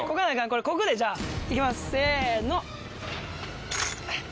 こぐでじゃあ行きますせの。